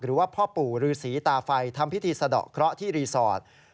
หรือว่าพ่อปู่รือศรีตาไฟทำพิธีสะดอกเคราะห์ที่รีสอร์ท